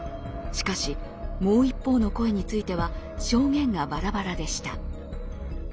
しかしもう一方の声については証言がバラバラでした。